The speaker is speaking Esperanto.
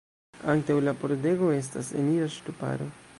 Antaŭ la pordego estas enira ŝtuparo.